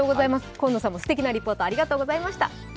今野さんもすてきなリポートありがとうございました。